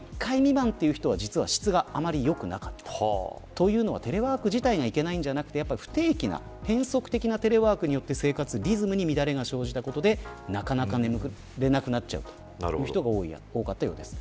というのは、テレワーク自体がいけないんじゃなくて不定期な変則的なテレワークによって生活リズムに乱れが生じたことでなかなか眠れなくなっちゃう人が多かったようです。